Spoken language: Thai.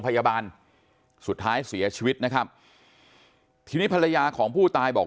พยาบาลสุดท้ายเสียชีวิตนะครับทีนี้ภรรยาของผู้ตายบอก